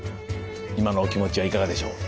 今のお気持ちはいかがでしょう？